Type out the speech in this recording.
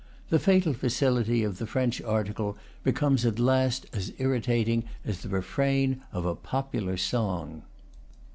The fatal facility, of the French article becomes at last as irritating as the refrain of a popular song.